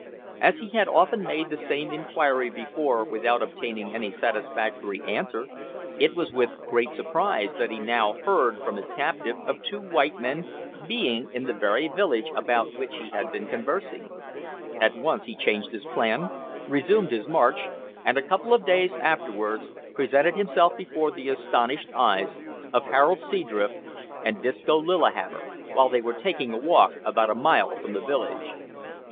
As he had often made the same inquiry before without obtaining any satisfactory answer, it was with great surprise that he now heard from his captive of two white men being in the very village about which he had been conversing. At once he changed his plan, resumed his march, and, a couple of days afterwards, presented himself before the astonished eyes of Harold Seadrift and Disco Lillihammer, while they were taking a walk about a mile from the village.